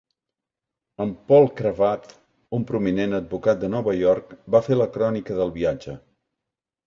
En Paul Cravath, un prominent advocat de Nova York, va fer la crònica del viatge.